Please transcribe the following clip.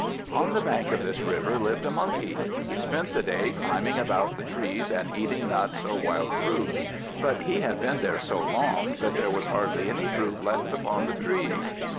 On the bank of this river lived a monkey. He spent the day climbing about the trees, and eating nuts or wild fruit; but he had been there so long, that there was hardly any fruit left upon the trees.